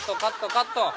カット。